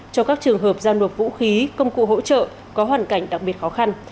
cho các trường hợp giao nộp vũ khí công cụ hỗ trợ có hoàn cảnh đặc biệt khó khăn